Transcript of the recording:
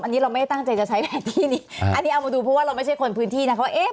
อันนี้เอามาดูเพราะว่าเราไม่ใช่คนพื้นที่นะครับ